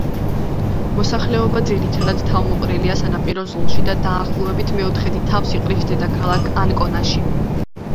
მოსახლეობა ძირითადად თავმოყრილია სანაპირო ზოლში და დაახლოებით მეოთხედი თავს იყრის დედაქალაქ ანკონაში.